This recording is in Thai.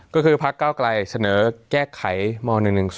ก็คือพักเก้าไกลเสนอแก้ไขม๑๑๒